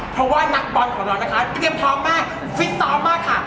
เพราะว่านักบอลของเรานะคะเตรียมพร้อมมากฟิตซ้อมมากค่ะ